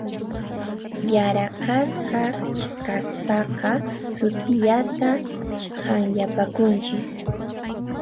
Yaraqasqa kaspaqa sut'illata hanllapakunchis.